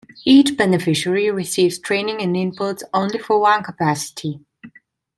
Each beneficiary receives training and inputs only for one capacity.